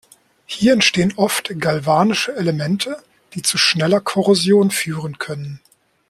Hier entstehen oft galvanische Elemente, die zu schneller Korrosion führen können.